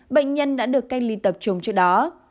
bệnh nhân đã được cách ly tập trung trước đó